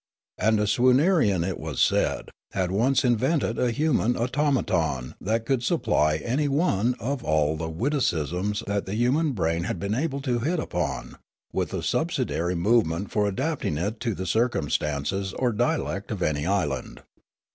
And a Swoonarian, it was said, had once invented a human automaton that could supply any one of all the witticisms that the hu man brain had been able to hit upon, with a subsidiary movement for adapting it to the circumstances or dia lect of any island.